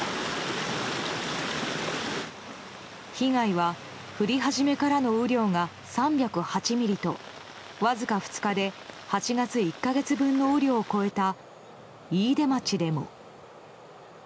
被害は降り始めからの雨量が３０８ミリとわずか２日で８月１か月分の雨量を超えた飯豊町でも。